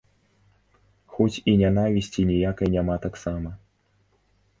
Хоць і нянавісці ніякай няма таксама.